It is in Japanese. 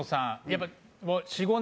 やっぱり。